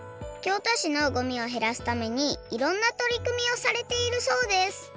京都市のごみをへらすためにいろんなとりくみをされているそうです